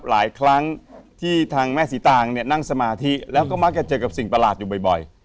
หลายครั้งที่ทางแม่ศรีตางเนี่ยนั่งสมาธิแล้วก็มักจะเจอกับสิ่งประหลาดอยู่บ่อย